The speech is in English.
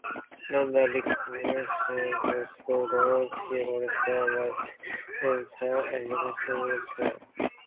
Under Republican caucus rules, he would have permanently lost his chairmanship if indicted.